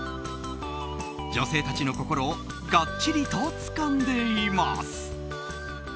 女性たちの心をがっちりとつかんでいます。